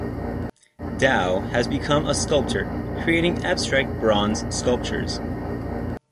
Dow has become a sculptor, creating abstract bronze sculptures.